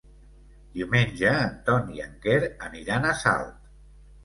Diumenge en Ton i en Quer aniran a Salt.